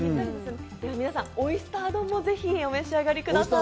皆さん、オイスター丼もぜひお召し上がりください。